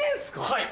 はい。